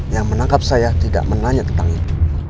yang menangkap saya tidak menanya tentang itu